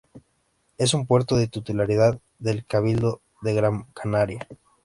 Es un puerto de titularidad del Cabildo de Gran Canaria.